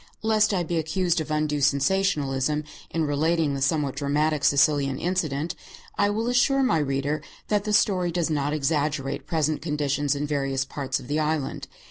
Lest I be accused of undue sensationalism in relating the somewhat dramatic Sicilian incident, I will assure my reader that the story does not exaggerate present conditions in various parts of the island.